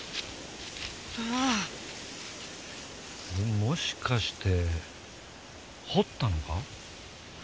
もしかして掘ったのか？